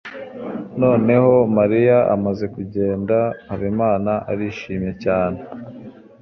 Noneho Mariya amaze kugenda, Habimana arishimye cyane.